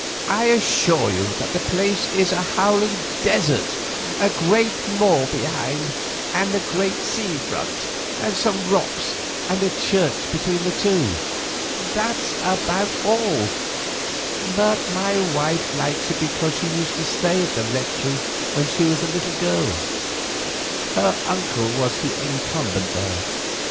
"I assure you that the place is a howling desert; a great moor behind, and the great sea in front, and some rocks and the church between the two. That's about all, but my wife likes it because she used to stay at the rectory when she was a little girl. Her uncle was the incumbent there.